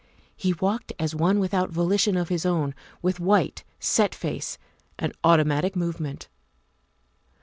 He walked as one without volition of his own, with white, set face and automatic movement.